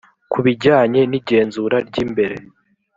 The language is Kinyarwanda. ku bijyanye n igenzura ry imbere